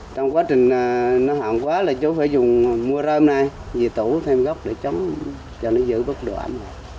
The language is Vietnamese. trong quá trình nó hạn quá là chú phải dùng mua rơm này dì tủ thêm gốc để chống cho nó giữ bất đoạn